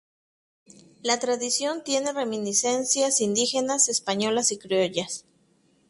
La tradición tiene reminiscencias indígenas, españolas y criollas.